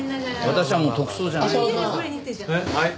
私はもう特捜じゃない。